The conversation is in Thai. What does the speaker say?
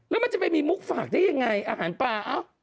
แล้วมันจะไปมีมุกฝากได้ยังไงอาหารปลา